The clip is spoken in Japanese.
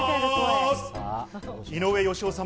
井上芳雄さん